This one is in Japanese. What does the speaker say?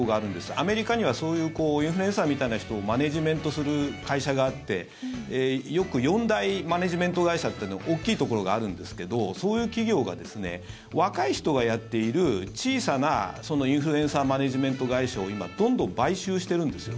アメリカにはそういうインフルエンサーみたいな人をマネジメントする会社があってよく４大マネジメント会社って大きいところがあるんですけどそういう企業が若い人がやっている小さなインフルエンサーマネジメント会社をどんどん買収してるんですよ。